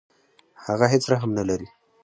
هغه هیڅ رحم نه لري.